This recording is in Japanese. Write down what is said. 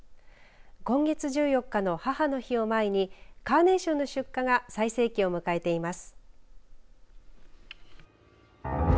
今月１４日の母の日を前にカーネーションの出荷が最盛期を迎えています。